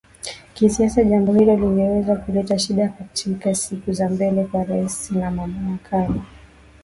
kisiasa jambo hilo lingeweza kuleta shida katika siku za mbele kwa Rais na Makamu